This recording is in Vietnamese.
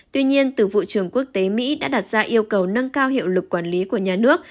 tuy nhiên từ vụ trưởng quốc tế mỹ đã đặt ra yêu cầu nâng cao hiệu lực quản lý của nhà nước